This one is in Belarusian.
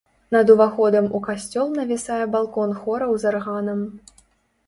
Над уваходам у касцёл навісае балкон хораў з арганам.